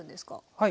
はい。